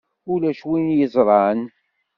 Ulac win i yeẓṛan.